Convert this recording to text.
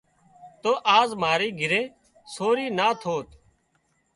تو آز ماري گھري سورِي نا ٿوت